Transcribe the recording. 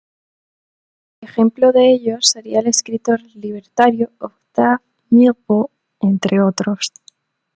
Ejemplo de ello sería el escritor libertario Octave Mirbeau, entre otros.